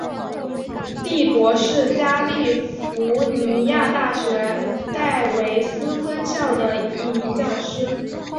第伯是加利福尼亚大学戴维斯分校的一名教师。